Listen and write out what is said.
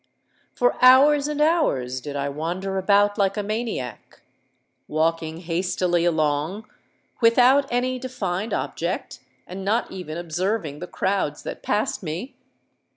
"For hours and hours did I wander about like a maniac—walking hastily along, without any defined object—and not even observing the crowds that passed me.